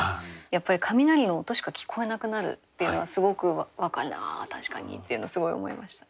やっぱり雷の音しか聞こえなくなるっていうのがすごく分かるな確かにっていうのすごい思いました。